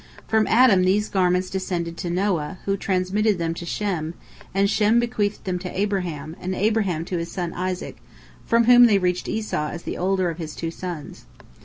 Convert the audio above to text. From Adam these garments descended to Noah, who transmitted them to Shem, and Shem bequeathed them to Abraham, and Abraham to his son Isaac, from whom they reached Esau as the older of his two sons.